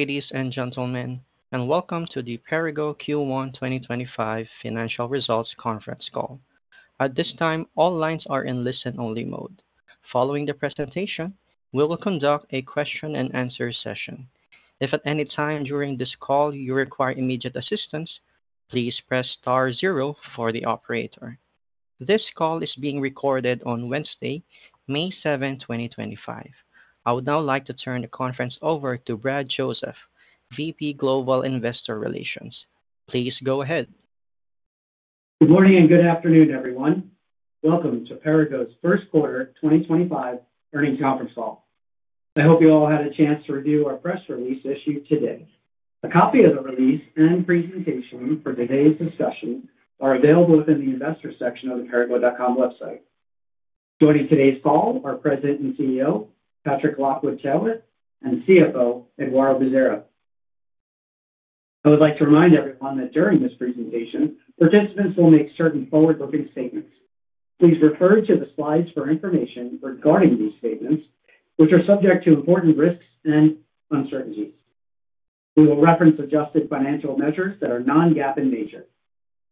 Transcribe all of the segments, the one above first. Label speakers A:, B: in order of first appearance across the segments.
A: Ladies and gentlemen, and welcome to the Perrigo Q1 2025 Financial Results Conference call. At this time, all lines are in listen-only mode. Following the presentation, we will conduct a question-and-answer session. If at any time during this call you require immediate assistance, please press star zero for the operator. This call is being recorded on Wednesday, May 7, 2025. I would now like to turn the conference over to Brad Joseph, VP Global Investor Relations. Please go ahead.
B: Good morning and good afternoon, everyone. Welcome to Perrigo's first quarter 2025 earnings conference call. I hope you all had a chance to review our press release issued today. A copy of the release and presentation for today's discussion are available within the investor section of the perrigo.com website. Joining today's call are President and CEO Patrick Lockwood-Taylor and CFO Eduardo Bezerra. I would like to remind everyone that during this presentation, participants will make certain forward-looking statements. Please refer to the slides for information regarding these statements, which are subject to important risks and uncertainties. We will reference adjusted financial measures that are non-GAAP in nature.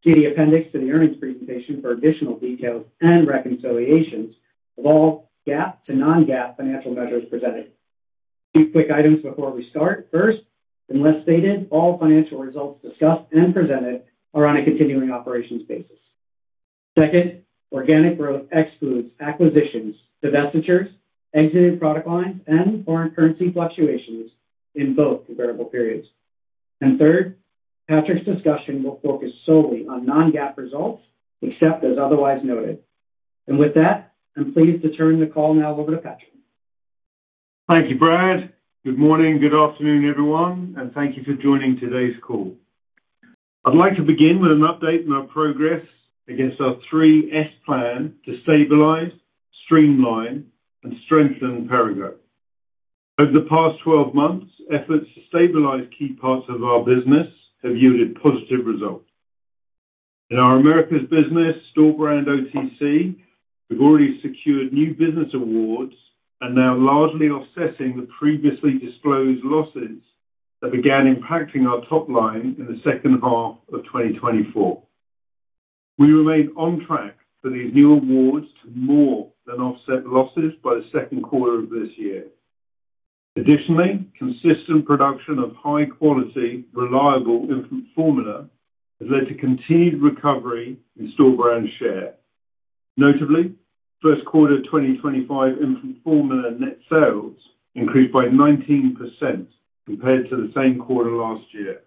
B: See the appendix to the earnings presentation for additional details and reconciliations of all GAAP to non-GAAP financial measures presented. Two quick items before we start. First, and less stated, all financial results discussed and presented are on a continuing operations basis. Second, organic growth excludes acquisitions, divestitures, exited product lines, and foreign currency fluctuations in both comparable periods. Third, Patrick's discussion will focus solely on non-GAAP results except as otherwise noted. With that, I'm pleased to turn the call now over to Patrick.
C: Thank you, Brad. Good morning, good afternoon, everyone, and thank you for joining today's call. I'd like to begin with an update on our progress against our 3S plan to stabilize, streamline, and strengthen Perrigo. Over the past 12 months, efforts to stabilize key parts of our business have yielded positive results. In our America's Business store brand OTC, we've already secured new business awards and now largely offsetting the previously disclosed losses that began impacting our top line in the second half of 2024. We remain on track for these new awards to more than offset losses by the second quarter of this year. Additionally, consistent production of high-quality, reliable infant formula has led to continued recovery in store brand share. Notably, first quarter 2025 infant formula net sales increased by 19% compared to the same quarter last year.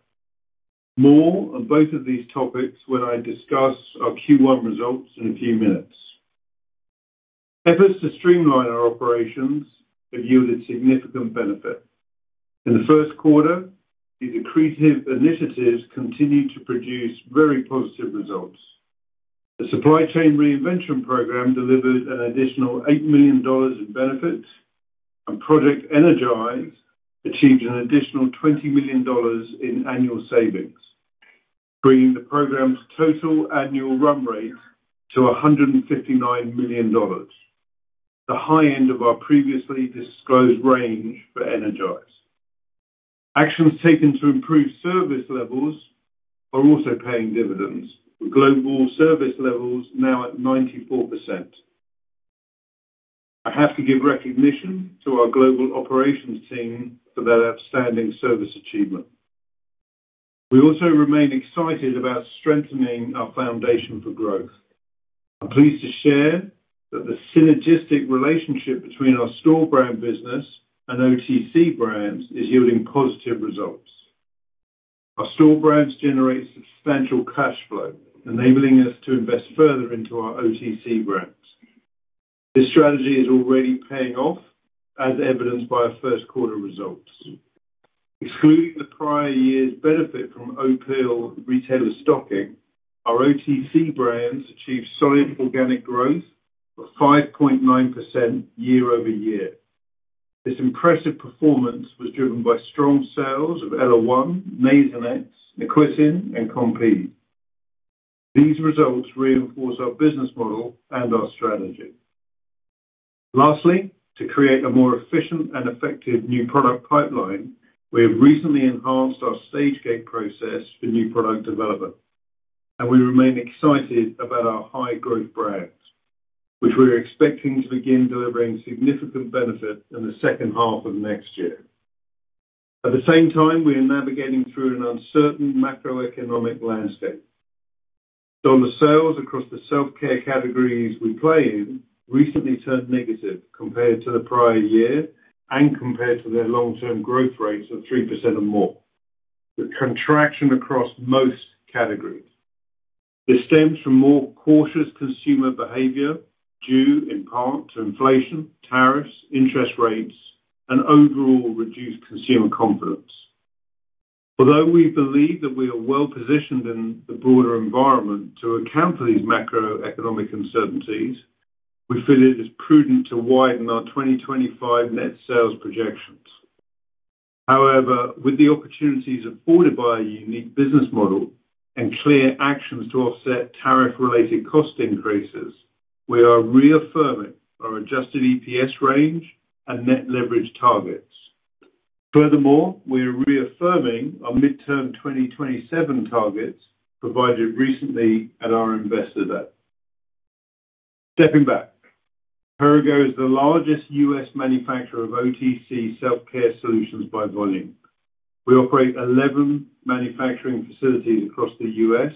C: More on both of these topics when I discuss our Q1 results in a few minutes. Efforts to streamline our operations have yielded significant benefits. In the first quarter, the accretive initiatives continued to produce very positive results. The supply chain reinvention program delivered an additional $8 million in benefits, and Project Energize achieved an additional $20 million in annual savings, bringing the program's total annual run rate to $159 million, the high end of our previously disclosed range for Energize. Actions taken to improve service levels are also paying dividends, with global service levels now at 94%. I have to give recognition to our global operations team for their outstanding service achievement. We also remain excited about strengthening our foundation for growth. I'm pleased to share that the synergistic relationship between our store brand business and OTC brands is yielding positive results. Our store brands generate substantial cash flow, enabling us to invest further into our OTC brands. This strategy is already paying off, as evidenced by our first quarter results. Excluding the prior year's benefit from Opill retailer stocking, our OTC brands achieved solid organic growth of 5.9% year-over-year. This impressive performance was driven by strong sales of Ella One, Nasonex, Equisin, and Compeed. These results reinforce our business model and our strategy. Lastly, to create a more efficient and effective new product pipeline, we have recently enhanced our stage gate process for new product development, and we remain excited about our high-growth brands, which we are expecting to begin delivering significant benefit in the second half of next year. At the same time, we are navigating through an uncertain macroeconomic landscape. The sales across the self-care categories we play in recently turned negative compared to the prior year and compared to their long-term growth rates of 3% or more. The contraction across most categories stems from more cautious consumer behavior due, in part, to inflation, tariffs, interest rates, and overall reduced consumer confidence. Although we believe that we are well-positioned in the broader environment to account for these macroeconomic uncertainties, we feel it is prudent to widen our 2025 net sales projections. However, with the opportunities afforded by a unique business model and clear actions to offset tariff-related cost increases, we are reaffirming our adjusted EPS range and net leverage targets. Furthermore, we are reaffirming our midterm 2027 targets provided recently at our investor day. Stepping back, Perrigo is the largest U.S. manufacturer of OTC self-care solutions by volume. We operate 11 manufacturing facilities across the U.S.,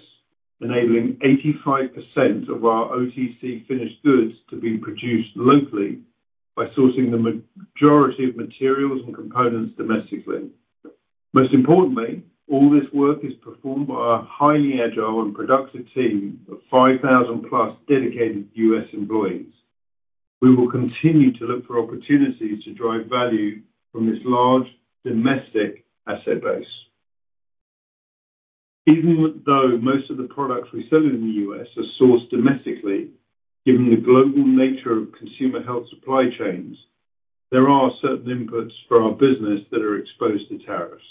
C: enabling 85% of our OTC finished goods to be produced locally by sourcing the majority of materials and components domestically. Most importantly, all this work is performed by our highly agile and productive team of 5,000+ dedicated U.S. employees. We will continue to look for opportunities to drive value from this large domestic asset base. Even though most of the products we sell in the U.S. are sourced domestically, given the global nature of consumer health supply chains, there are certain inputs for our business that are exposed to tariffs.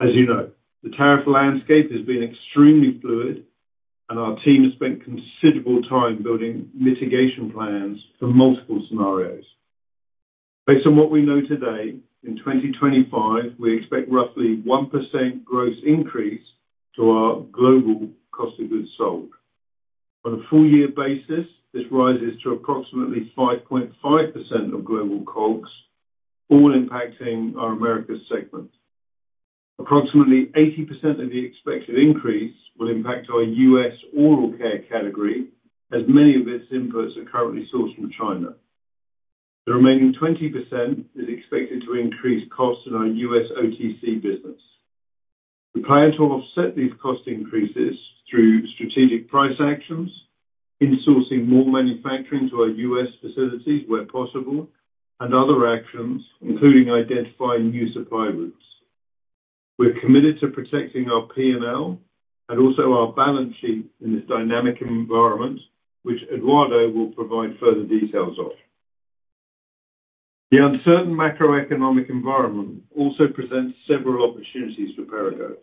C: As you know, the tariff landscape has been extremely fluid, and our team has spent considerable time building mitigation plans for multiple scenarios. Based on what we know today, in 2025, we expect roughly 1% gross increase to our global cost of goods sold. On a four-year basis, this rises to approximately 5.5% of global COGS, all impacting our America's segment. Approximately 80% of the expected increase will impact our U.S. oral care category, as many of its inputs are currently sourced from China. The remaining 20% is expected to increase costs in our U.S. OTC business. We plan to offset these cost increases through strategic price actions, insourcing more manufacturing to our U.S. facilities where possible, and other actions, including identifying new supply routes. We're committed to protecting our P&L and also our balance sheet in this dynamic environment, which Eduardo will provide further details of. The uncertain macroeconomic environment also presents several opportunities for Perrigo.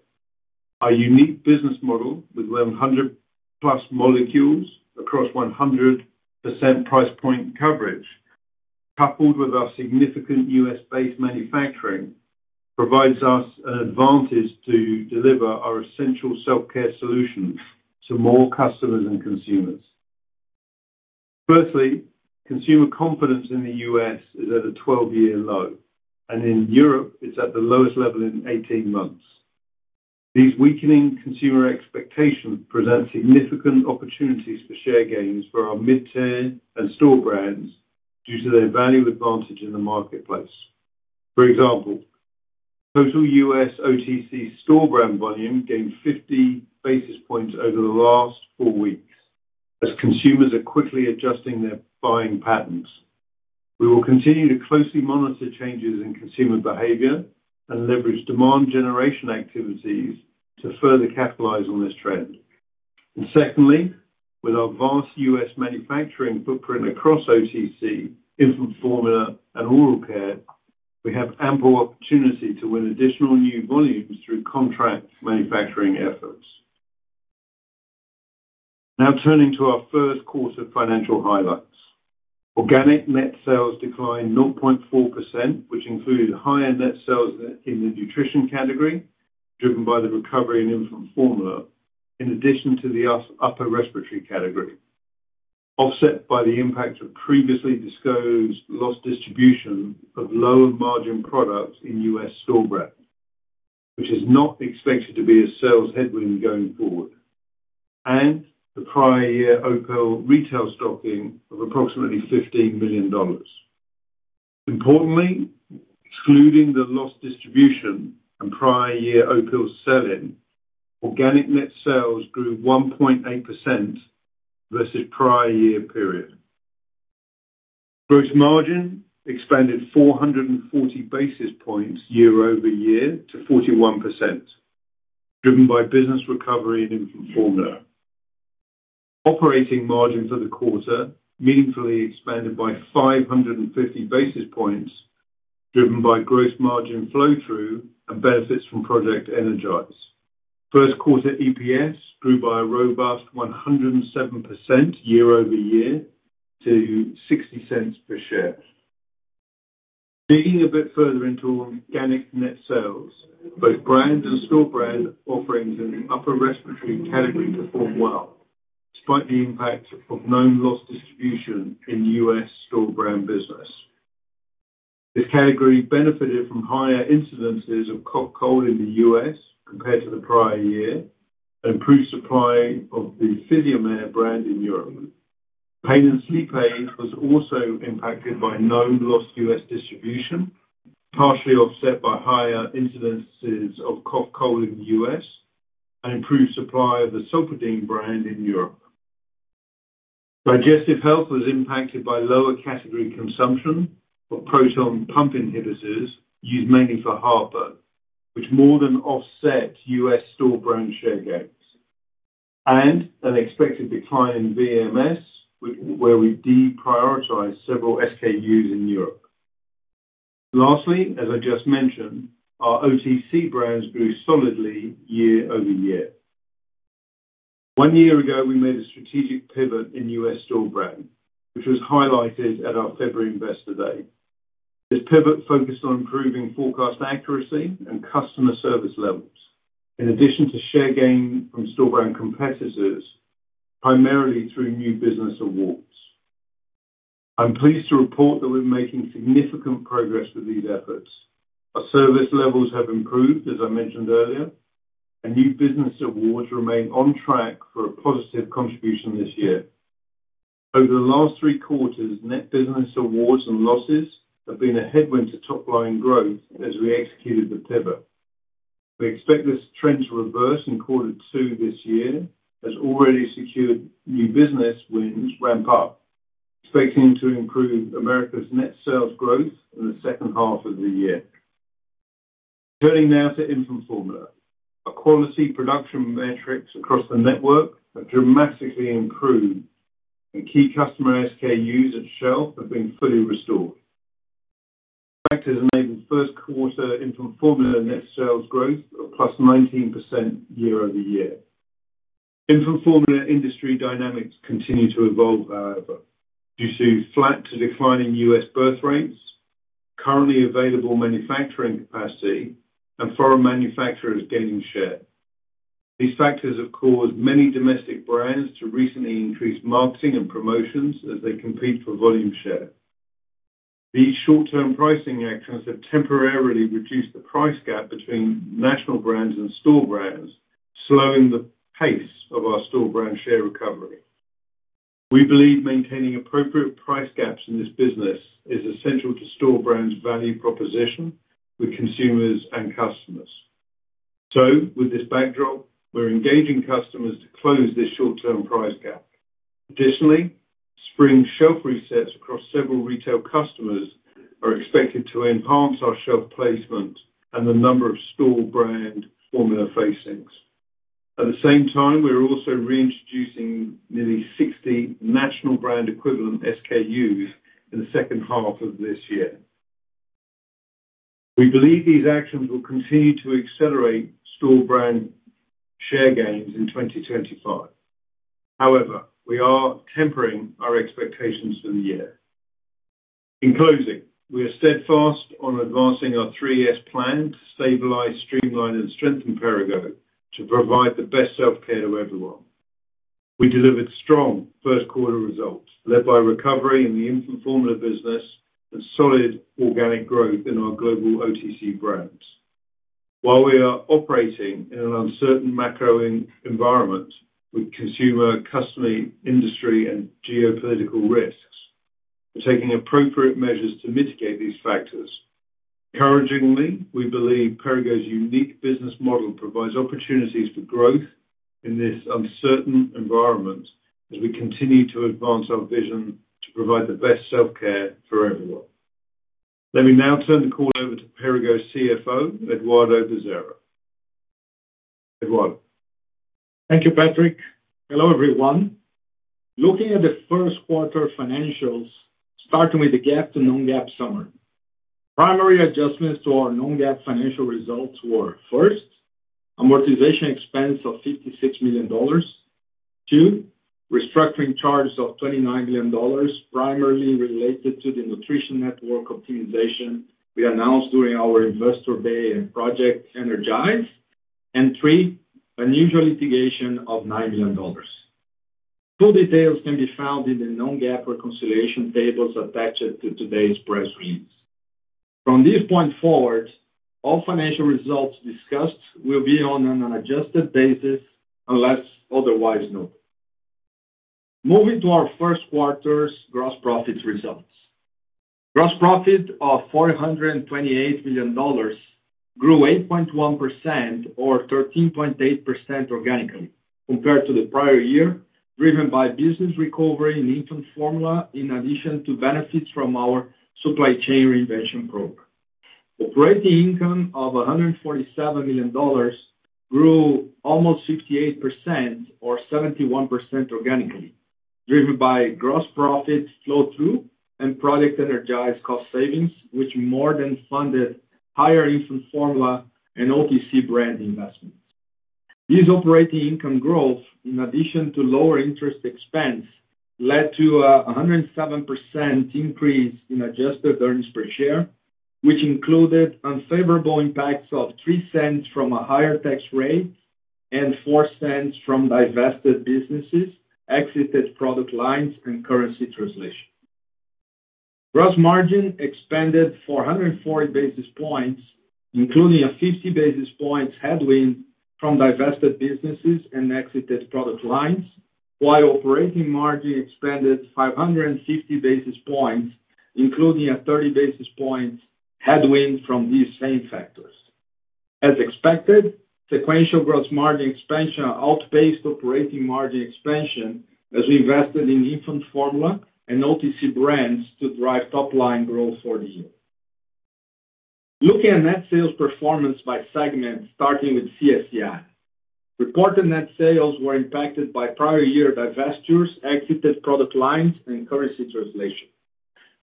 C: Our unique business model with 100+ molecules across 100% price point coverage, coupled with our significant U.S.-based manufacturing, provides us an advantage to deliver our essential self-care solutions to more customers and consumers. Firstly, consumer confidence in the U.S. is at a 12-year low, and in Europe, it's at the lowest level in 18 months. These weakening consumer expectations present significant opportunities for share gains for our mid-tier and store brands due to their value advantage in the marketplace. For example, total U.S. OTC store brand volume gained 50 basis points over the last four weeks, as consumers are quickly adjusting their buying patterns. We will continue to closely monitor changes in consumer behavior and leverage demand generation activities to further capitalize on this trend. Secondly, with our vast U.S. manufacturing footprint across OTC, infant formula, and oral care, we have ample opportunity to win additional new volumes through contract manufacturing efforts. Now turning to our first quarter financial highlights. Organic net sales declined 0.4%, which included higher net sales in the nutrition category, driven by the recovery in infant formula, in addition to the upper respiratory category. This was offset by the impact of previously disclosed loss distribution of lower margin products in U.S. store brands, which is not expected to be a sales headwind going forward, and the prior year Opill retail stocking of approximately $15 million. Importantly, excluding the loss distribution and prior year Opill sell-in, organic net sales grew 1.8% versus prior year period. Gross margin expanded 440 basis points year-over-year to 41%, driven by business recovery in infant formula. Operating margin for the quarter meaningfully expanded by 550 basis points, driven by gross margin flow-through and benefits from Project Energize. First quarter EPS grew by a robust 107% year-over-year to $0.60 per share. Digging a bit further into organic net sales, both brand and store brand offerings in the upper respiratory category performed well, despite the impact of known loss distribution in U.S. store brand business. This category benefited from higher incidences of cough cold in the U.S. compared to the prior year and improved supply of the Physiomer brand in Europe. Pain and sleep aids was also impacted by known loss U.S. distribution, partially offset by higher incidences of cough cold in the U.S., and improved supply of the Zolpidem brand in Europe. Digestive health was impacted by lower category consumption of proton pump inhibitors used mainly for heartburn, which more than offset U.S. store brand share gains, and an expected decline in VMS, where we deprioritized several SKUs in Europe. Lastly, as I just mentioned, our OTC brands grew solidly year-over-year. One year ago, we made a strategic pivot in U.S. store brand, which was highlighted at our February investor day. This pivot focused on improving forecast accuracy and customer service levels, in addition to share gain from store brand competitors, primarily through new business awards. I'm pleased to report that we're making significant progress with these efforts. Our service levels have improved, as I mentioned earlier, and new business awards remain on track for a positive contribution this year. Over the last three quarters, net business awards and losses have been a headwind to top line growth as we executed the pivot. We expect this trend to reverse in quarter two this year, as already secured new business wins ramp up, expecting to improve America's net sales growth in the second half of the year. Turning now to infant formula, our quality production metrics across the network have dramatically improved, and key customer SKUs at shelf have been fully restored. Factors enabled first quarter infant formula net sales growth of +19% year-over-year. Infant formula industry dynamics continue to evolve, however, due to flat to declining U.S. birth rates, currently available manufacturing capacity, and foreign manufacturers gaining share. These factors have caused many domestic brands to recently increase marketing and promotions as they compete for volume share. These short-term pricing actions have temporarily reduced the price gap between national brands and store brands, slowing the pace of our store brand share recovery. We believe maintaining appropriate price gaps in this business is essential to store brand's value proposition with consumers and customers. With this backdrop, we're engaging customers to close this short-term price gap. Additionally, spring shelf resets across several retail customers are expected to enhance our shelf placement and the number of store brand formula facings. At the same time, we're also reintroducing nearly 60 national brand equivalent SKUs in the second half of this year. We believe these actions will continue to accelerate store brand share gains in 2025. However, we are tempering our expectations for the year. In closing, we are steadfast on advancing our 3S plan to stabilize, streamline, and strengthen Perrigo to provide the best self-care to everyone. We delivered strong first quarter results, led by recovery in the infant formula business and solid organic growth in our global OTC brands. While we are operating in an uncertain macro environment with consumer, customer, industry, and geopolitical risks, we're taking appropriate measures to mitigate these factors. Encouragingly, we believe Perrigo's unique business model provides opportunities for growth in this uncertain environment as we continue to advance our vision to provide the best self-care for everyone. Let me now turn the call over to Perrigo CFO, Eduardo Bezerra. Eduardo.
D: Thank you, Patrick. Hello, everyone. Looking at the first quarter financials, starting with the GAAP to non-GAAP summary, primary adjustments to our non-GAAP financial results were: first, amortization expense of $56 million. Two, restructuring charges of $29 million, primarily related to the nutrition network optimization we announced during our investor day at Project Energize. And three, unusual mitigation of $9 million. Full details can be found in the non-GAAP reconciliation tables attached to today's press release. From this point forward, all financial results discussed will be on an adjusted basis unless otherwise noted. Moving to our first quarter's gross profits results. Gross profit of $428 million grew 8.1% or 13.8% organically compared to the prior year, driven by business recovery in infant formula, in addition to benefits from our supply chain reinvention program. Operating income of $147 million grew almost 58% or 71% organically, driven by gross profit flow-through and Project Energize cost savings, which more than funded higher infant formula and OTC brand investments. These operating income growth, in addition to lower interest expense, led to a 107% increase in adjusted earnings per share, which included unfavorable impacts of $0.03 from a higher tax rate and $0.04 from divested businesses, exited product lines, and currency translation. Gross margin expanded 440 basis points, including a 50 basis points headwind from divested businesses and exited product lines, while operating margin expanded 550 basis points, including a 30 basis points headwind from these same factors. As expected, sequential gross margin expansion outpaced operating margin expansion as we invested in infant formula and OTC brands to drive top line growth for the year. Looking at net sales performance by segment, starting with CSEI, reported net sales were impacted by prior year divestitures, exited product lines, and currency translation.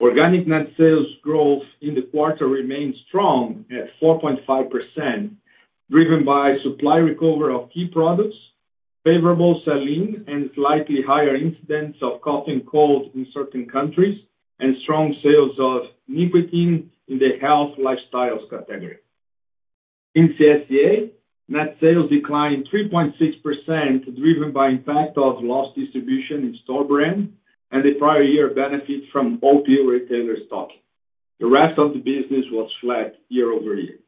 D: Organic net sales growth in the quarter remained strong at 4.5%, driven by supply recovery of key products, favorable sell-in, and slightly higher incidence of cough cold in certain countries, and strong sales of nicotine in the health lifestyles category. In CSEA, net sales declined 3.6%, driven by impact of loss distribution in store brand and the prior year benefit from Opill retailer stocking. The rest of the business was flat year-over-year.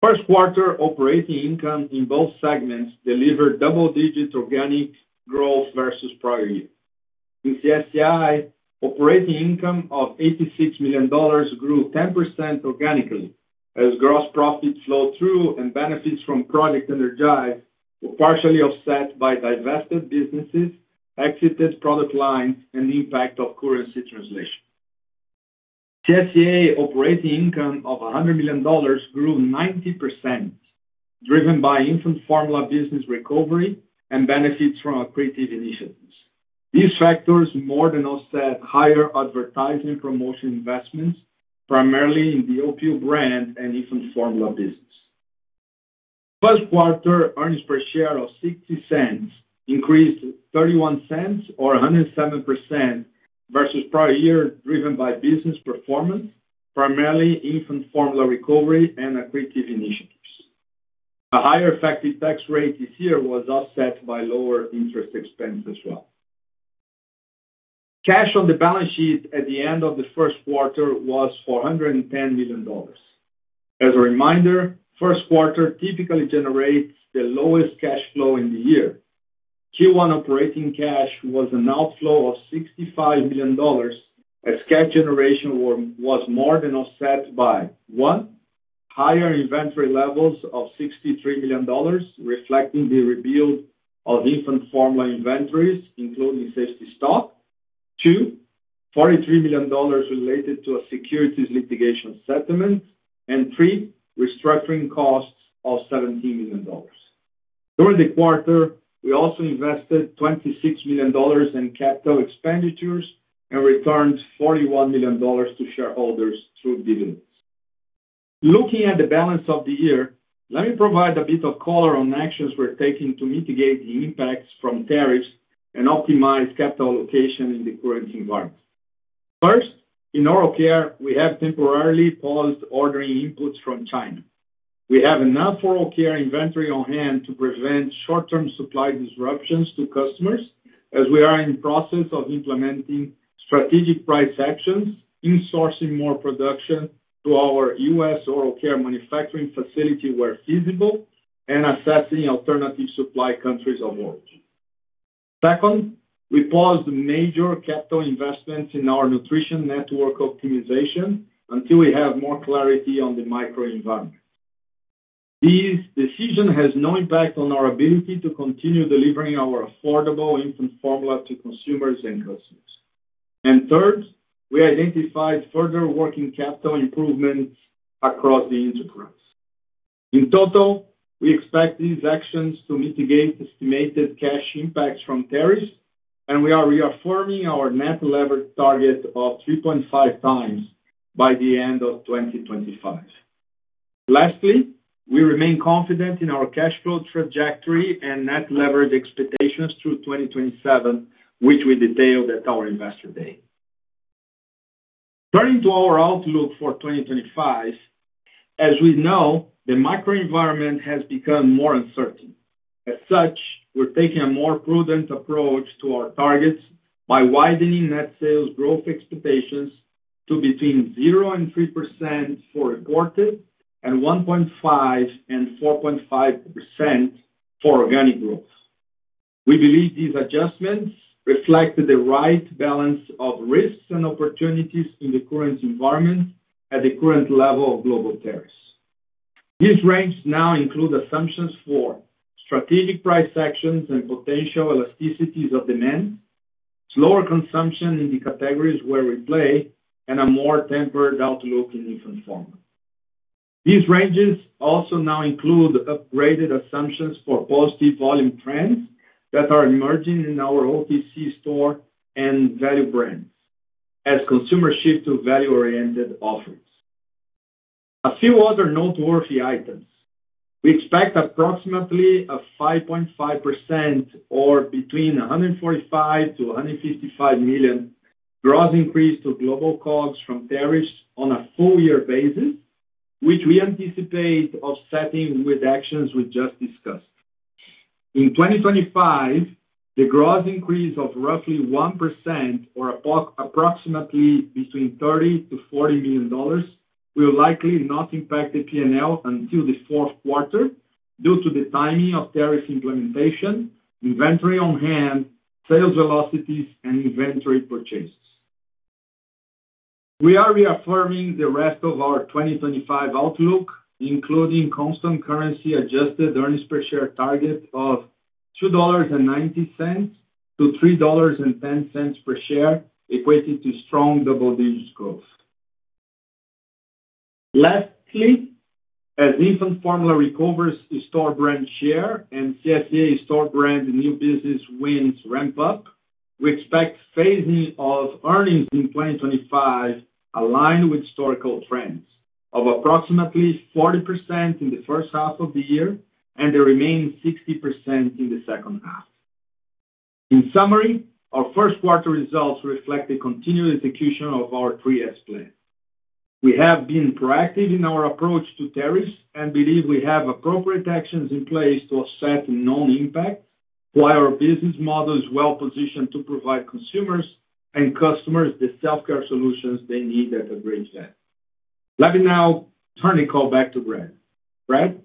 D: First quarter operating income in both segments delivered double-digit organic growth versus prior year. In CSEI, operating income of $86 million grew 10% organically as gross profit flow-through and benefits from Project Energize were partially offset by divested businesses, exited product lines, and impact of currency translation. CSEA operating income of $100 million grew 90%, driven by infant formula business recovery and benefits from creative initiatives. These factors more than offset higher advertising promotion investments, primarily in the Opill brand and infant formula business. First quarter earnings per share of $0.60 increased $0.31 or 107% versus prior year, driven by business performance, primarily infant formula recovery and creative initiatives. A higher effective tax rate this year was offset by lower interest expense as well. Cash on the balance sheet at the end of the first quarter was $410 million. As a reminder, first quarter typically generates the lowest cash flow in the year. Q1 operating cash was an outflow of $65 million, as cash generation was more than offset by: one, higher inventory levels of $63 million, reflecting the rebuild of infant formula inventories, including safety stock; two, $43 million related to a securities litigation settlement; and three, restructuring costs of $17 million. During the quarter, we also invested $26 million in capital expenditures and returned $41 million to shareholders through dividends. Looking at the balance of the year, let me provide a bit of color on actions we're taking to mitigate the impacts from tariffs and optimize capital allocation in the current environment. First, in oral care, we have temporarily paused ordering inputs from China. We have enough oral care inventory on hand to prevent short-term supply disruptions to customers, as we are in the process of implementing strategic price actions, insourcing more production to our U.S. Oral care manufacturing facility where feasible, and assessing alternative supply countries of origin. Second, we paused major capital investments in our nutrition network optimization until we have more clarity on the micro environment. This decision has no impact on our ability to continue delivering our affordable infant formula to consumers and customers. Third, we identified further working capital improvements across the enterprise. In total, we expect these actions to mitigate estimated cash impacts from tariffs, and we are reaffirming our net leverage target of 3.5x by the end of 2025. Lastly, we remain confident in our cash flow trajectory and net leverage expectations through 2027, which we detailed at our investor day. Turning to our outlook for 2025, as we know, the micro environment has become more uncertain. As such, we're taking a more prudent approach to our targets by widening net sales growth expectations to between 0%-3% for imported and 1.5%-4.5% for organic growth. We believe these adjustments reflect the right balance of risks and opportunities in the current environment at the current level of global tariffs. These ranges now include assumptions for strategic price actions and potential elasticities of demand, slower consumption in the categories where we play, and a more tempered outlook in infant formula. These ranges also now include upgraded assumptions for positive volume trends that are emerging in our OTC store and value brands, as consumers shift to value-oriented offerings. A few other noteworthy items. We expect approximately a 5.5% or between $145 million-$155 million gross increase to global COGS from tariffs on a full year basis, which we anticipate offsetting with actions we just discussed. In 2025, the gross increase of roughly 1% or approximately between $30 million-$40 million will likely not impact the P&L until the fourth quarter due to the timing of tariff implementation, inventory on hand, sales velocities, and inventory purchases. We are reaffirming the rest of our 2025 outlook, including constant currency adjusted earnings per share target of $2.90-$3.10 per share, equating to strong double-digit growth. Lastly, as infant formula recovers store brand share and CSEA store brand new business wins ramp up, we expect phasing of earnings in 2025 aligned with historical trends of approximately 40% in the first half of the year and the remaining 60% in the second half. In summary, our first quarter results reflect the continued execution of our 3S plan. We have been proactive in our approach to tariffs and believe we have appropriate actions in place to offset known impacts, while our business model is well-positioned to provide consumers and customers the self-care solutions they need at a great depth. Let me now turn the call back to Brad. Brad?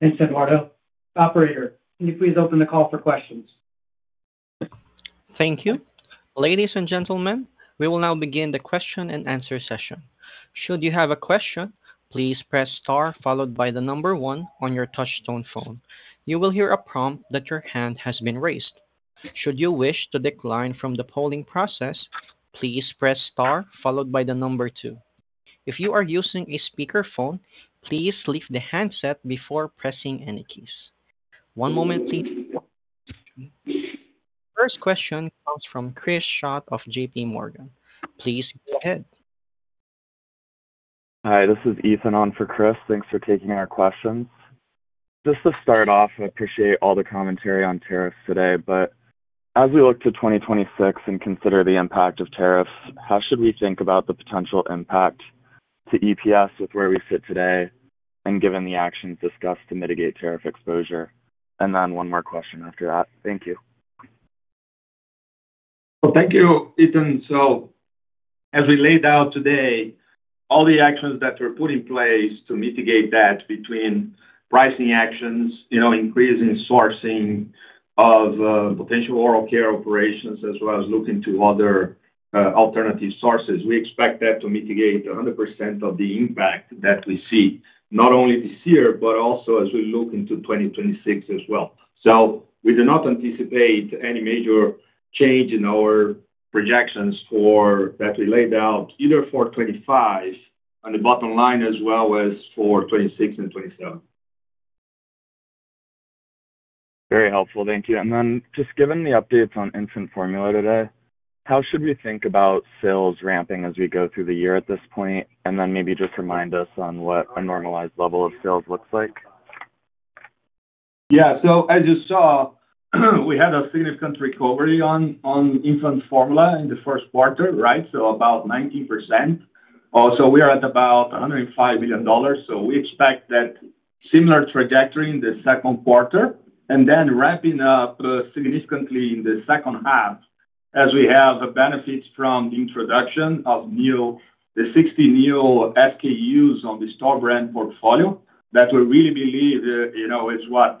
B: Thanks, Eduardo. Operator, can you please open the call for questions?
A: Thank you. Ladies and gentlemen, we will now begin the question and answer session. Should you have a question, please press star followed by the number one on your touch-tone phone. You will hear a prompt that your hand has been raised. Should you wish to decline from the polling process, please press star followed by the number two. If you are using a speakerphone, please leave the handset before pressing any keys. One moment, please. First question comes from Chris Schott of JPMorgan. Please go ahead.
E: Hi, this is Ethan on for Chris. Thanks for taking our questions. Just to start off, I appreciate all the commentary on tariffs today, but as we look to 2026 and consider the impact of tariffs, how should we think about the potential impact to EPS with where we sit today and given the actions discussed to mitigate tariff exposure? And then one more question after that. Thank you.
C: Thank you, Ethan. As we laid out today, all the actions that were put in place to mitigate that between pricing actions, you know, increasing sourcing of potential oral care operations, as well as looking to other alternative sources, we expect that to mitigate 100% of the impact that we see, not only this year, but also as we look into 2026 as well. We do not anticipate any major change in our projections for that we laid out either for 2025 on the bottom line as well as for 2026 and 2027.
E: Very helpful. Thank you. Just given the updates on infant formula today, how should we think about sales ramping as we go through the year at this point? Maybe just remind us on what a normalized level of sales looks like.
C: Yeah. As you saw, we had a significant recovery on infant formula in the first quarter, right? About 19%. We are at about $105 million. We expect that similar trajectory in the second quarter and then ramping up significantly in the second half as we have benefits from the introduction of new, the 60 new SKUs on the store brand portfolio that we really believe, you know, is what,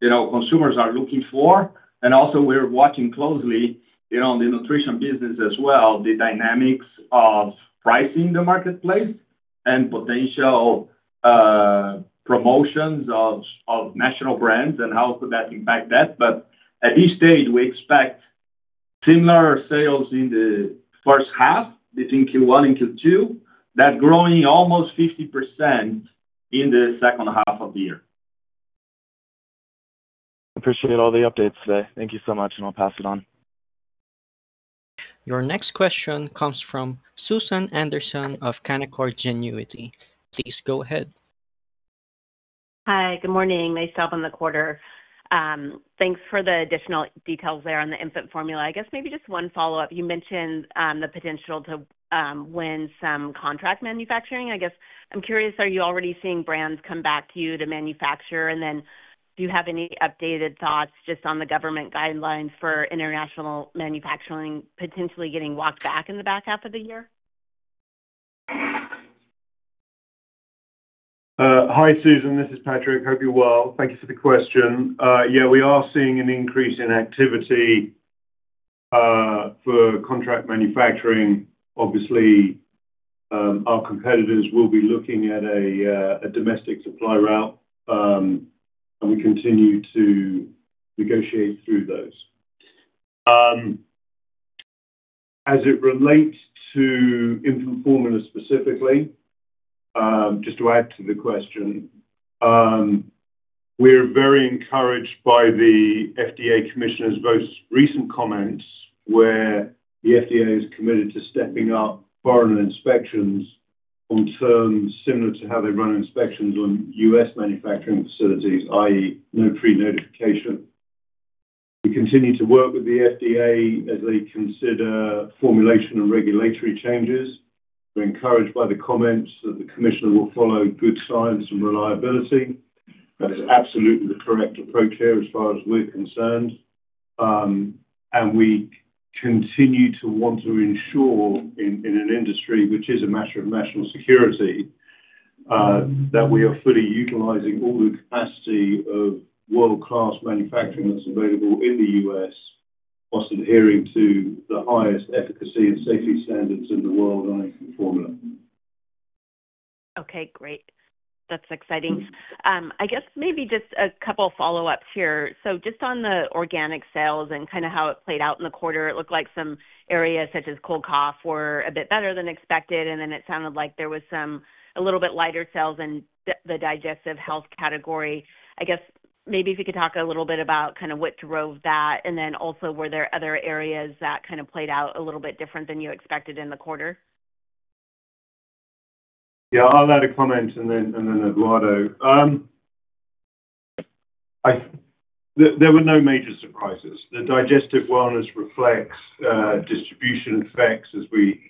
C: you know, consumers are looking for. Also, we're watching closely, you know, the nutrition business as well, the dynamics of pricing in the marketplace and potential promotions of national brands and how could that impact that. At this stage, we expect similar sales in the first half, between Q1 and Q2, that growing almost 50% in the second half of the year.
E: Appreciate all the updates today. Thank you so much, and I'll pass it on.
A: Your next question comes from Susan Anderson of Canaccord Genuity. Please go ahead.
F: Hi, good morning. Lisa on the quarter. Thanks for the additional details there on the infant formula. I guess maybe just one follow-up. You mentioned the potential to win some contract manufacturing. I guess I'm curious, are you already seeing brands come back to you to manufacture? And then do you have any updated thoughts just on the government guidelines for international manufacturing potentially getting walked back in the back half of the year?
C: Hi, Susan. This is Patrick. Hope you're well. Thank you for the question. Yeah, we are seeing an increase in activity for contract manufacturing. Obviously, our competitors will be looking at a domestic supply route, and we continue to negotiate through those. As it relates to infant formula specifically, just to add to the question, we are very encouraged by the FDA Commissioner's most recent comments where the FDA is committed to stepping up foreign inspections on terms similar to how they run inspections on U.S. manufacturing facilities, i.e., no pre-notification. We continue to work with the FDA as they consider formulation and regulatory changes. We're encouraged by the comments that the Commissioner will follow good science and reliability. That is absolutely the correct approach here as far as we're concerned. We continue to want to ensure in an industry which is a matter of national security that we are fully utilizing all the capacity of world-class manufacturing that's available in the U.S. whilst adhering to the highest efficacy and safety standards in the world on infant formula. Okay, great. That's exciting. I guess maybe just a couple of follow-ups here. Just on the organic sales and kind of how it played out in the quarter, it looked like some areas such as cold cough were a bit better than expected. And then it sounded like there was some a little bit lighter sales in the digestive health category. I guess maybe if you could talk a little bit about kind of what drove that. And then also, were there other areas that kind of played out a little bit different than you expected in the quarter? Yeah, I'll add a comment and then Eduardo. There were no major surprises. The digestive wellness reflects distribution effects as we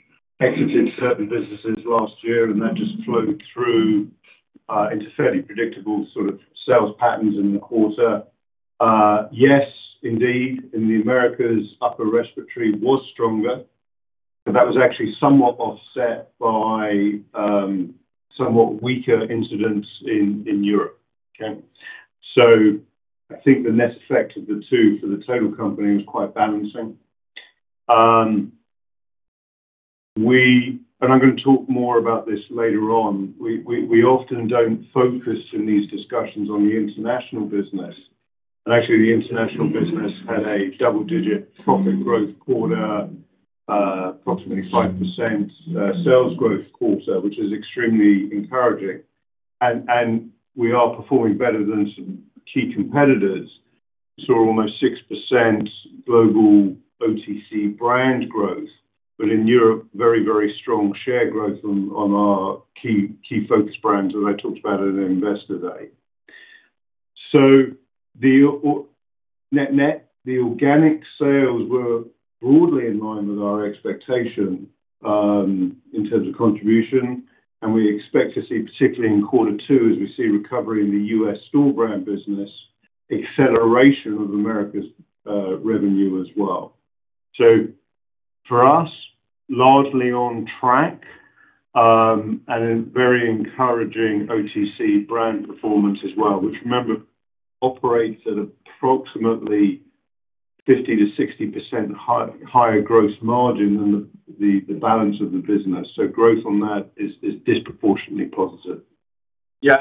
C: exited certain businesses last year, and that just flowed through into fairly predictable sort of sales patterns in the quarter. Yes, indeed, in the Americas, upper respiratory was stronger, but that was actually somewhat offset by somewhat weaker incidents in Europe. Okay? I think the net effect of the two for the total company was quite balancing. I'm going to talk more about this later on. We often don't focus in these discussions on the international business. Actually, the international business had a double-digit profit growth quarter, approximately 5% sales growth quarter, which is extremely encouraging. We are performing better than some key competitors. We saw almost 6% global OTC brand growth, but in Europe, very, very strong share growth on our key focus brands that I talked about at investor day. The organic sales were broadly in line with our expectation in terms of contribution. We expect to see, particularly in quarter two, as we see recovery in the U.S. store brand business, acceleration of America's revenue as well. For us, largely on track and a very encouraging OTC brand performance as well, which, remember, operates at approximately 50%-60% higher gross margin than the balance of the business. Growth on that is disproportionately positive.
D: Yeah.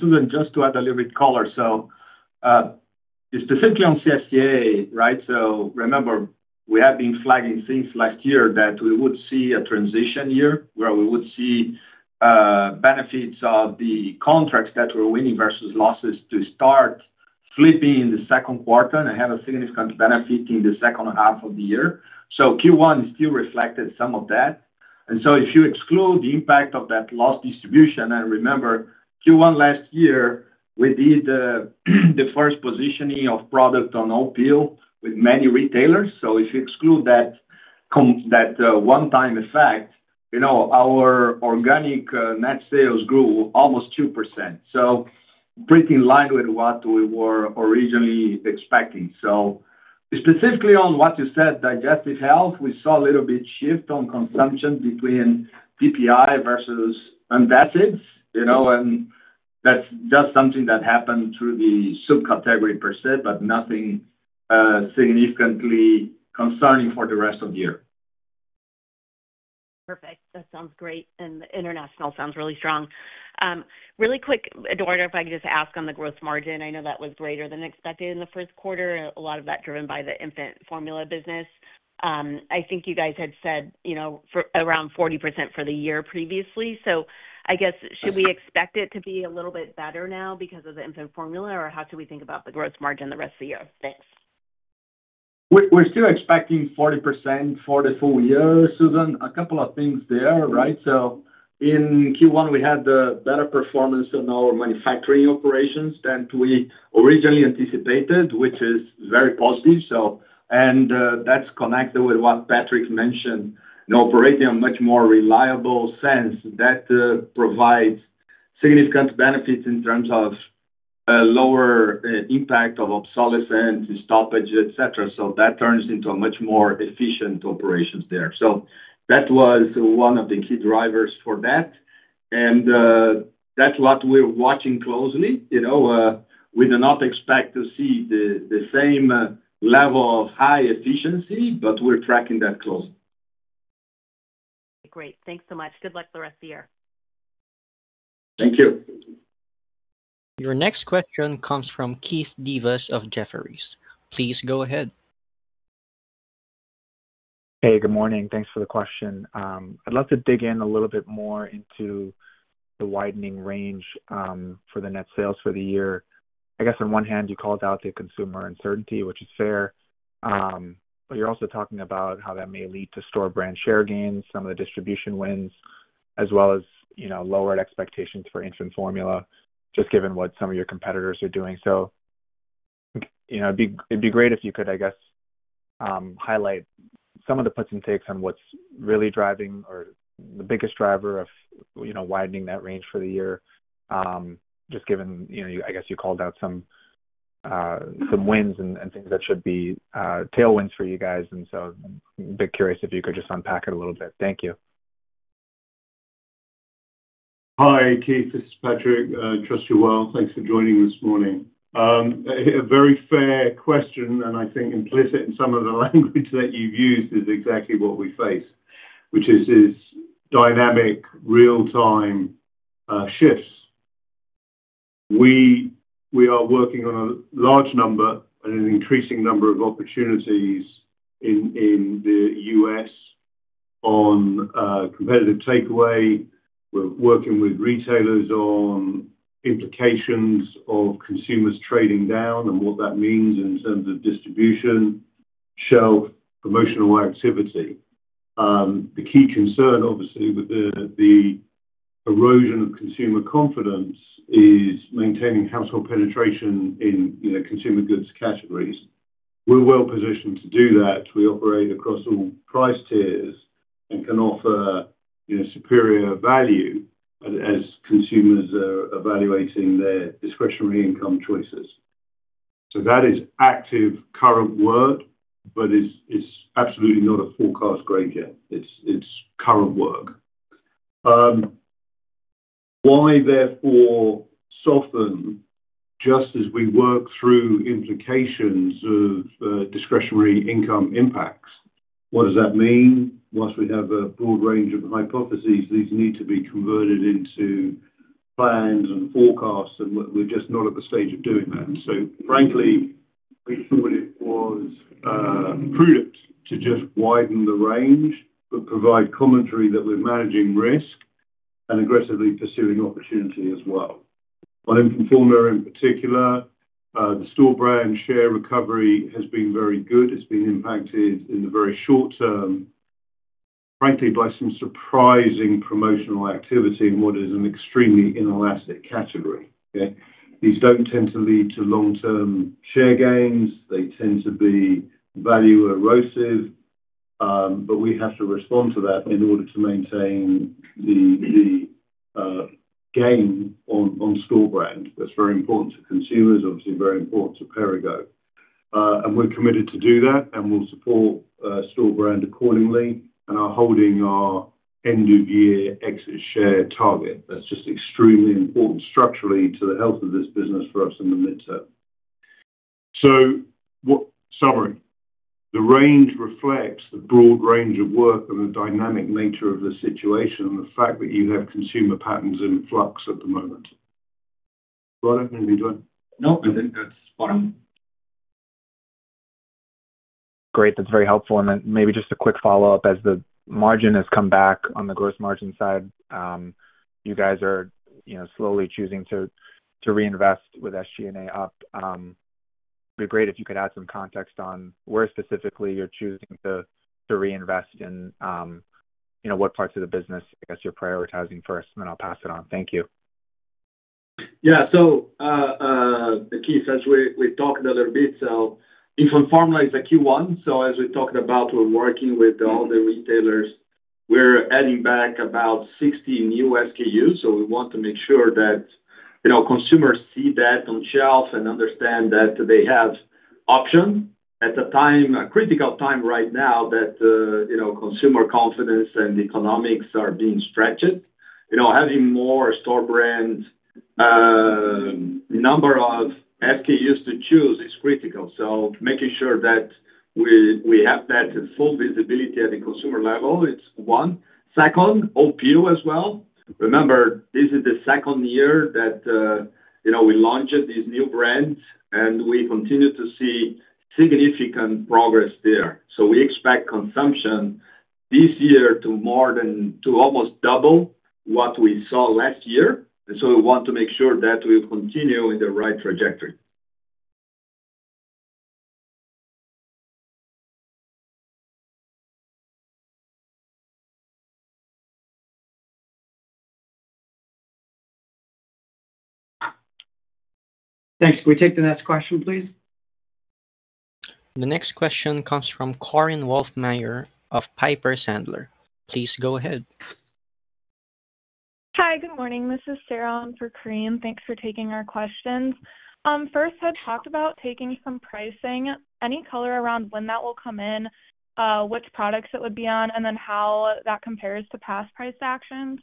D: Susan, just to add a little bit of color. Specifically on CSEA, right? Remember, we have been flagging since last year that we would see a transition year where we would see benefits of the contracts that we are winning versus losses to start flipping in the second quarter and have a significant benefit in the second half of the year. Q1 still reflected some of that. If you exclude the impact of that loss distribution, and remember, Q1 last year, we did the first positioning of product on Opill with many retailers. If you exclude that one-time effect, you know, our organic net sales grew almost 2%. Pretty in line with what we were originally expecting. Specifically on what you said, digestive health, we saw a little bit shift on consumption between DPI versus unvetted. That is just something that happened through the subcategory per se, but nothing significantly concerning for the rest of the year.
F: Perfect. That sounds great. The international sounds really strong. Really quick, Eduardo, if I could just ask on the gross margin. I know that was greater than expected in the first quarter. A lot of that driven by the infant formula business. I think you guys had said, you know, around 40% for the year previously. I guess, should we expect it to be a little bit better now because of the infant formula, or how should we think about the gross margin the rest of the year? Thanks.
D: We're still expecting 40% for the full year, Susan. A couple of things there, right? In Q1, we had the better performance on our manufacturing operations than we originally anticipated, which is very positive. That is connected with what Patrick mentioned, operating on a much more reliable sense that provides significant benefits in terms of a lower impact of obsolescence, stoppage, etc. That turns into a much more efficient operation there. That was one of the key drivers for that. That is what we're watching closely. You know, we do not expect to see the same level of high efficiency, but we're tracking that closely.
F: Great. Thanks so much. Good luck the rest of the year.
D: Thank you.
A: Your next question comes from Keith Devas of Jefferies. Please go ahead.
G: Hey, good morning. Thanks for the question. I'd love to dig in a little bit more into the widening range for the net sales for the year. I guess on one hand, you called out the consumer uncertainty, which is fair. But you're also talking about how that may lead to store brand share gains, some of the distribution wins, as well as lowered expectations for infant formula, just given what some of your competitors are doing. It'd be great if you could, I guess, highlight some of the puts and takes on what's really driving or the biggest driver of widening that range for the year, just given, I guess you called out some wins and things that should be tailwinds for you guys. I'm a bit curious if you could just unpack it a little bit. Thank you.
C: Hi, Keith. This is Patrick. Trust you well. Thanks for joining this morning. A very fair question, and I think implicit in some of the language that you've used is exactly what we face, which is dynamic, real-time shifts. We are working on a large number and an increasing number of opportunities in the U.S. on competitive takeaway. We're working with retailers on implications of consumers trading down and what that means in terms of distribution, shelf, promotional activity. The key concern, obviously, with the erosion of consumer confidence is maintaining household penetration in consumer goods categories. We're well positioned to do that. We operate across all price tiers and can offer superior value as consumers are evaluating their discretionary income choices. That is active current work, but it's absolutely not a forecast grade yet. It's current work. Why, therefore, soften just as we work through implications of discretionary income impacts? What does that mean? Once we have a broad range of hypotheses, these need to be converted into plans and forecasts, and we're just not at the stage of doing that. Frankly, we thought it was prudent to just widen the range but provide commentary that we're managing risk and aggressively pursuing opportunity as well. On infant formula in particular, the store brand share recovery has been very good. It's been impacted in the very short term, frankly, by some surprising promotional activity in what is an extremely inelastic category. These don't tend to lead to long-term share gains. They tend to be value-erosive. We have to respond to that in order to maintain the gain on store brand. That is very important to consumers, obviously very important to Perrigo. We are committed to do that, and we will support store brand accordingly and are holding our end-of-year exit share target. That is just extremely important structurally to the health of this business for us in the midterm. In summary, the range reflects the broad range of work and the dynamic nature of the situation and the fact that you have consumer patterns in flux at the moment. Go ahead, Eduardo, do you want to?
D: No, I think that is fine.
G: Great. That is very helpful. Maybe just a quick follow-up. As the margin has come back on the gross margin side, you guys are slowly choosing to reinvest with SG&A up. It'd be great if you could add some context on where specifically you're choosing to reinvest and what parts of the business, I guess, you're prioritizing first. Then I'll pass it on. Thank you.
C: Yeah. Keith, as we talked a little bit, infant formula is a key one. As we talked about, we're working with all the retailers. We're adding back about 60 new SKUs. We want to make sure that consumers see that on shelf and understand that they have option at a critical time right now that consumer confidence and economics are being stretched. Having more store brand number of SKUs to choose is critical. Making sure that we have that full visibility at the consumer level, it's one. Second, Opill as well. Remember, this is the second year that we launched these new brands, and we continue to see significant progress there. We expect consumption this year to almost double what we saw last year. We want to make sure that we'll continue in the right trajectory.
B: Thanks. Can we take the next question, please?
A: The next question comes from Korinne Wolfmeyer of Piper Sandler. Please go ahead.
H: Hi, good morning. This is Sarah on for Korinne. Thanks for taking our questions. First, had talked about taking some pricing. Any color around when that will come in, which products it would be on, and then how that compares to past price actions?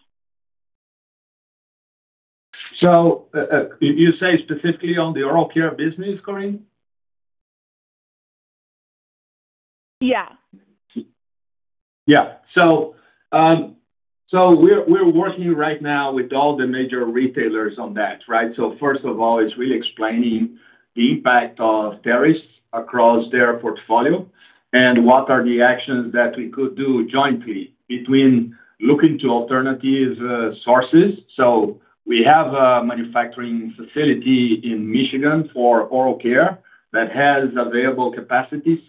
C: You say specifically on the oral care business, Korinne?
H: Yeah.
C: Yeah. We're working right now with all the major retailers on that, right? First of all, it's really explaining the impact of tariffs across their portfolio and what are the actions that we could do jointly between looking to alternative sources. We have a manufacturing facility in Michigan for oral care that has available capacity.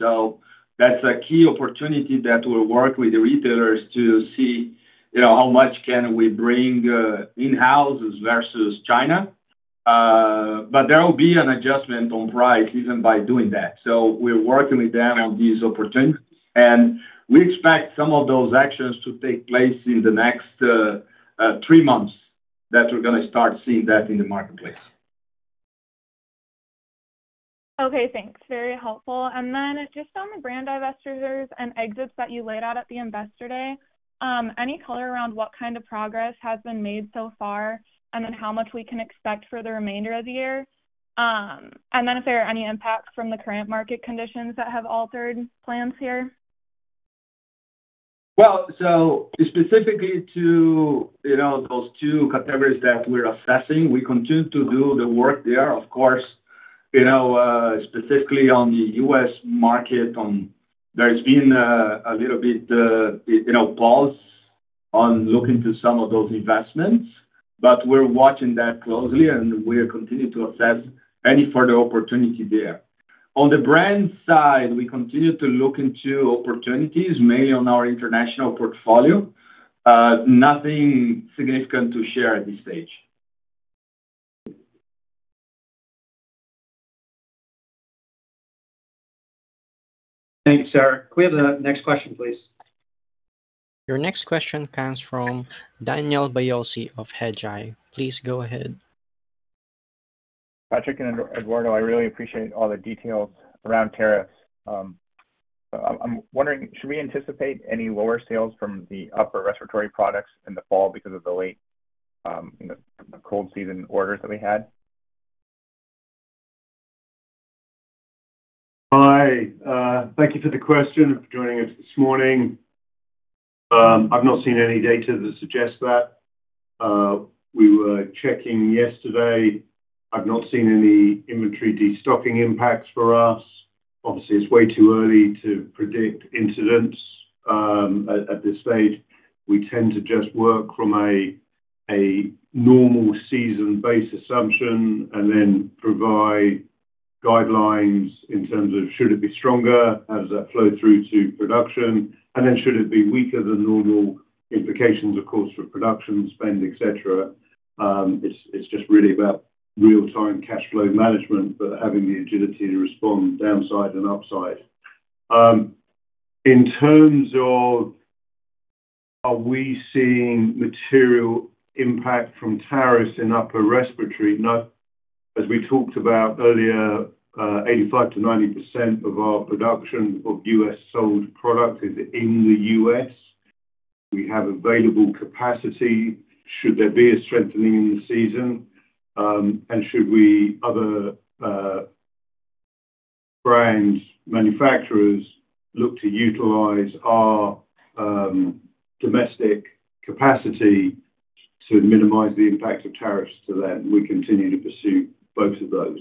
C: That's a key opportunity that we'll work with the retailers to see how much can we bring in-house versus China. There will be an adjustment on price even by doing that. We're working with them on these opportunities. We expect some of those actions to take place in the next three months and we're going to start seeing that in the marketplace.
H: Okay. Thanks. Very helpful. Just on the brand divestitures and exits that you laid out at the investor day, any color around what kind of progress has been made so far and then how much we can expect for the remainder of the year? If there are any impacts from the current market conditions that have altered plans here?
C: Specifically to those two categories that we're assessing, we continue to do the work there. Of course, specifically on the U.S. market, there has been a little bit of pause on looking to some of those investments. We're watching that closely, and we're continuing to assess any further opportunity there. On the brand side, we continue to look into opportunities, mainly on our international portfolio. Nothing significant to share at this stage.
B: Thanks, Sarah. Quick, the next question, please.
A: Your next question comes from Daniel Biolsi of Hedgeye. Please go ahead.
I: Patrick and Eduardo, I really appreciate all the details around tariffs. I'm wondering, should we anticipate any lower sales from the upper respiratory products in the fall because of the late cold season orders that we had?
C: Hi. Thank you for the question and for joining us this morning. I've not seen any data to suggest that. We were checking yesterday. I've not seen any inventory destocking impacts for us. Obviously, it's way too early to predict incidents at this stage. We tend to just work from a normal season-based assumption and then provide guidelines in terms of should it be stronger, how does that flow through to production, and then should it be weaker than normal, implications, of course, for production spend, etc. It's just really about real-time cash flow management, but having the agility to respond downside and upside. In terms of are we seeing material impact from tariffs in upper respiratory? As we talked about earlier, 85%-90% of our production of U.S. sold product is in the U.S. We have available capacity. Should there be a strengthening in the season? And should other brand manufacturers look to utilize our domestic capacity to minimize the impact of tariffs to them? We continue to pursue both of those.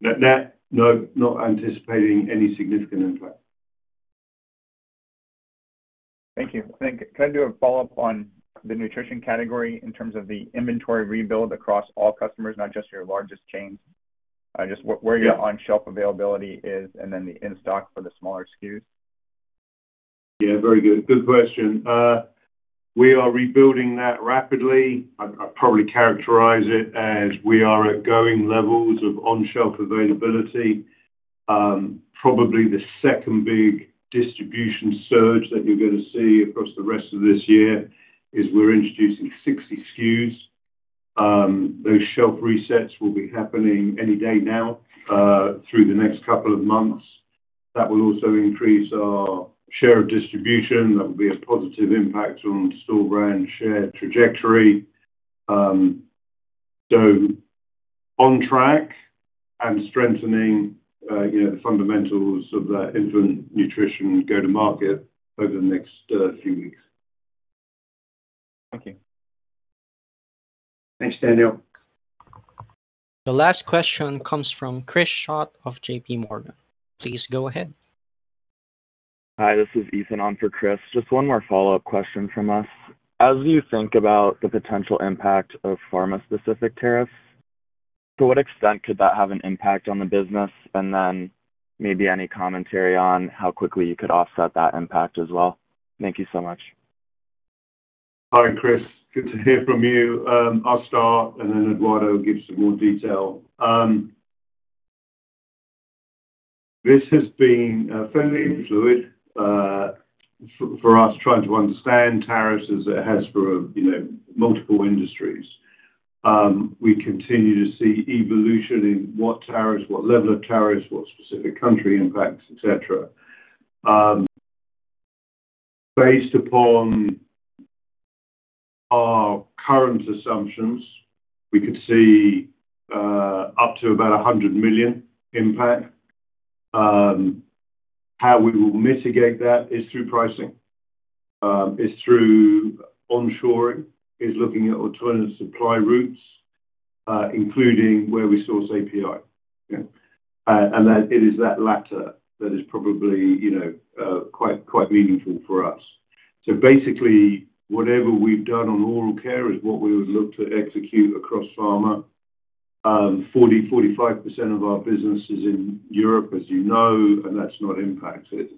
C: Not anticipating any significant impact.
I: Thank you. Can I do a follow-up on the nutrition category in terms of the inventory rebuild across all customers, not just your largest chains, just where your on-shelf availability is and then the in-stock for the smaller SKUs?
C: Yeah, very good. Good question. We are rebuilding that rapidly. I'd probably characterize it as we are at going levels of on-shelf availability. Probably the second big distribution surge that you're going to see across the rest of this year is we're introducing 60 SKUs. Those shelf resets will be happening any day now through the next couple of months. That will also increase our share of distribution. That will be a positive impact on store brand share trajectory. On track and strengthening the fundamentals of the infant nutrition go-to-market over the next few weeks.
B: Thanks, Daniel.
A: The last question comes from Chris Schott of JPMorgan. Please go ahead.
E: Hi, this is Ethan on for Chris. Just one more follow-up question from us. As you think about the potential impact of pharma-specific tariffs, to what extent could that have an impact on the business? Maybe any commentary on how quickly you could offset that impact as well. Thank you so much.
C: Hi, Chris. Good to hear from you. I'll start, and then Eduardo gives some more detail. This has been fairly fluid for us trying to understand tariffs as it has for multiple industries. We continue to see evolution in what level of tariffs, what specific country impacts, etc. Based upon our current assumptions, we could see up to about $100 million impact. How we will mitigate that is through pricing, is through onshoring, is looking at alternative supply routes, including where we source API. It is that latter that is probably quite meaningful for us. Basically, whatever we've done on oral care is what we would look to execute across pharma. 40%, 45% of our business is in Europe, as you know, and that's not impacted.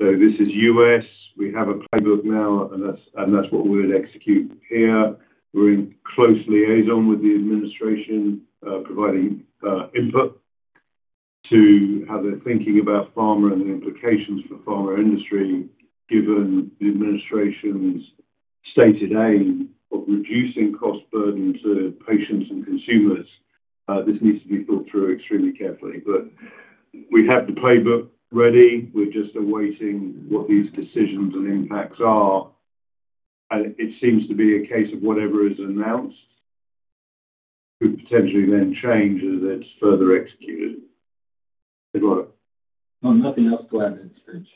C: This is U.S. We have a playbook now, and that's what we would execute here. We're in close liaison with the administration, providing input to how they're thinking about pharma and the implications for the pharma industry, given the administration's stated aim of reducing cost burden to patients and consumers. This needs to be thought through extremely carefully. We have the playbook ready. We're just awaiting what these decisions and impacts are. It seems to be a case of whatever is announced could potentially then change as it's further executed.
D: Nothing else to add at this stage.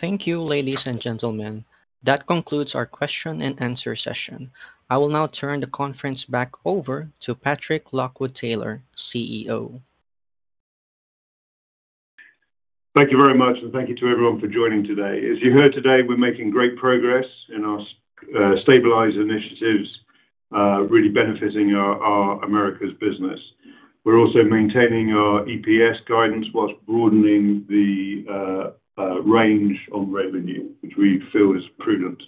A: Thank you, ladies and gentlemen. That concludes our question and answer session. I will now turn the conference back over to Patrick Lockwood-Taylor, CEO.
C: Thank you very much, and thank you to everyone for joining today. As you heard today, we're making great progress in our stabilizer initiatives, really benefiting our America's business. We're also maintaining our EPS guidance whilst broadening the range on revenue, which we feel is prudent.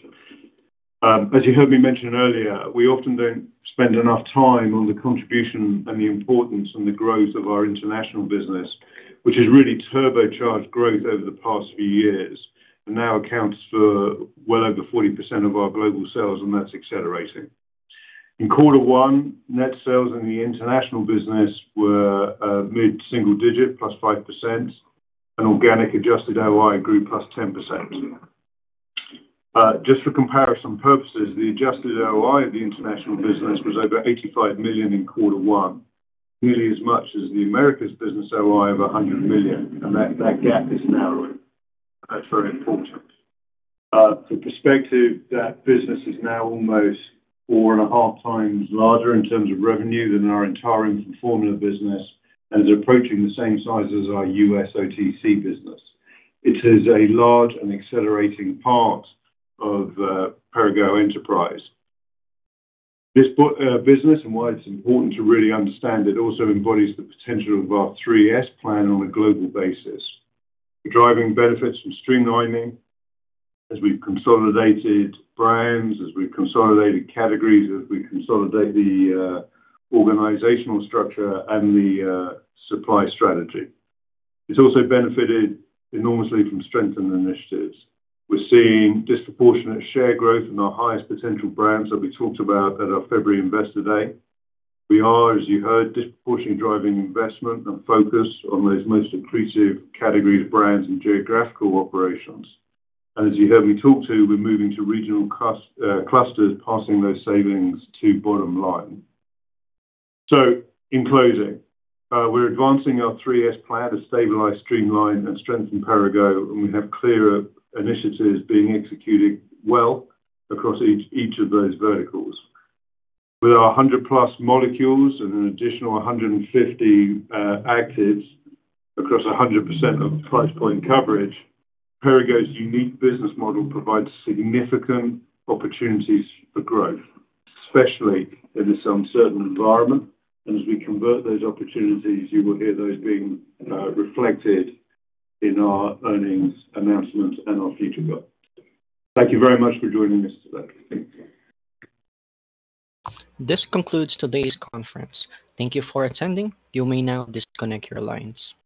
C: As you heard me mention earlier, we often don't spend enough time on the contribution and the importance and the growth of our international business, which has really turbocharged growth over the past few years and now accounts for well over 40% of our global sales, and that's accelerating. In quarter one, net sales in the international business were mid-single digit, +5%, and organic adjusted OI grew +10%. Just for comparison purposes, the adjusted OI of the international business was over $85 million in quarter one, nearly as much as the America's business OI of $100 million. That gap is narrowing. That's very important. For perspective, that business is now almost four and a half times larger in terms of revenue than our entire infant formula business and is approaching the same size as our U.S. OTC business. It is a large and accelerating part of Perrigo Enterprise. This business and why it's important to really understand it also embodies the potential of our 3S plan on a global basis. We're driving benefits from streamlining as we've consolidated brands, as we've consolidated categories, as we consolidate the organizational structure and the supply strategy. It's also benefited enormously from strengthened initiatives. We're seeing disproportionate share growth in our highest potential brands that we talked about at our February investor day. We are, as you heard, disproportionately driving investment and focus on those most inclusive categories of brands and geographical operations. As you heard me talk to, we're moving to regional clusters, passing those savings to bottom line. In closing, we're advancing our 3S plan to stabilize, streamline, and strengthen Perrigo, and we have clear initiatives being executed well across each of those verticals. With our 100+ molecules and an additional 150 actives across 100% of price point coverage, Perrigo's unique business model provides significant opportunities for growth, especially in this uncertain environment. As we convert those opportunities, you will hear those being reflected in our earnings announcements and our future goals. Thank you very much for joining us today.
A: This concludes today's conference. Thank you for attending. You may now disconnect your lines.